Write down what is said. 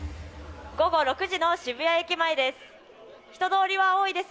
午後６時の渋谷駅前です。